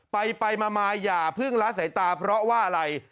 ไปไปมาไม่อย่าพึ่งล้าใส่ตาเพราะว่าอะไร